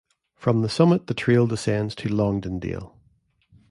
From the summit the trail descends to Longdendale.